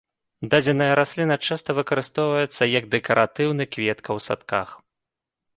Дадзеная расліна часта выкарыстоўваецца як дэкаратыўны кветка ў садках.